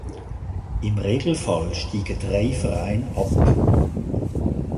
Im Regelfall steigen drei Vereine ab.